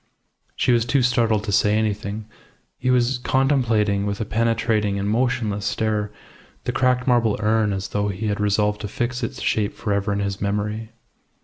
She was too startled to say anything; he was contemplating with a penetrating and motionless stare the cracked marble urn as though he had resolved to fix its shape for ever in his memory.